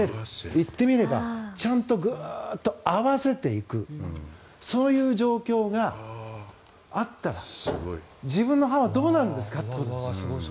言ってみればちゃんとグーッと合わせていくそういう状況があったら自分の歯はどうなるんですかということなんです。